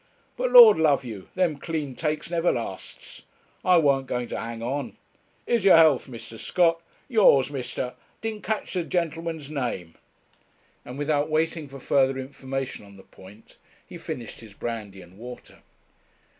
But, Lord love you, them clean takes never lasts. I worn't going to hang on. Here's your health, Mr. Scott. Yours, Mr. , I didn't just catch the gen'leman's name;' and without waiting for further information on the point, he finished his brandy and water.